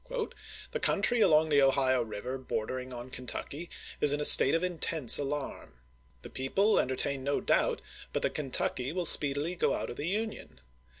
wrote: "The country along the Ohio River bor dering on Kentucky is in a state of intense alarm. The people entertain no doubt but that Kentucky Mopto^ ^^ will speedily go out of the Union.